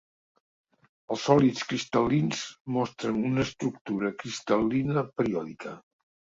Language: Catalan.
Els sòlids cristal·lins mostren una estructura cristal·lina periòdica.